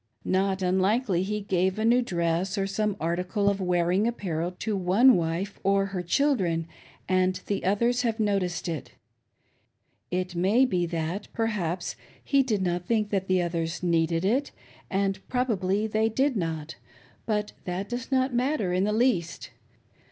Not unlikely he gave a new dress or some article of wearing apparel to one wife or her children, and the others have noticed it. > It may be that, perhaps, he did not think that the others needed it, and prohably they did not ; but that does not matter in the least.